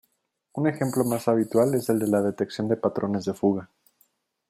Un ejemplo más habitual es el de la detección de patrones de fuga.